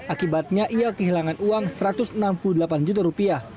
akibatnya ia kehilangan uang rp satu ratus enam puluh delapan juta rupiah